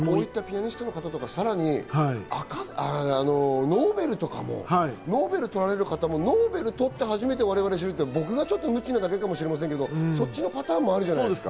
こういったピアニストの方とか、さらにノーベルとかも、ノーベルを取られる方も、ノーベルを取って初めて我々が知るって僕が無知なだけかもしれませんけど、そっちのパターンもあるじゃないですか。